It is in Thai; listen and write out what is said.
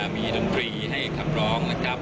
มีดนตรีให้คำร้องนะครับ